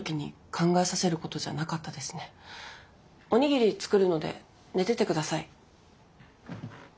おにぎり作るので寝てて下さい。